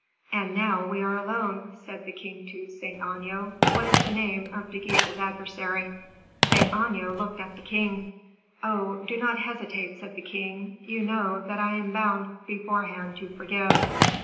"And now we are alone," said the king to Saint Aignan, "what is the name of De Guiche's adversary?" Saint Aignan looked at the king. "Oh! do not hesitate," said the king; "you know that I am bound beforehand to forgive."